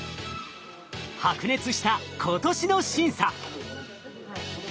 白熱した今年の審査。